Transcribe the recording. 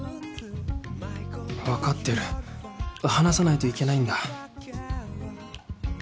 わかってる話さないといけないんだ